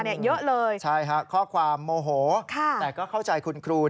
แล้วก็อยากให้เรื่องนี้จบไปเพราะว่ามันกระทบกระเทือนทั้งจิตใจของคุณครู